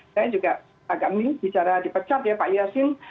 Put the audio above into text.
saya juga agak milih bicara di pecat ya pak yasin